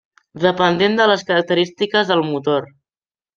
Dependent de les característiques del motor.